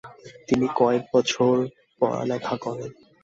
তিনি কয়েক বছর পড়েলেখা করেন।